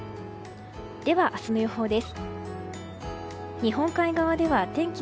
では、明日の予報です。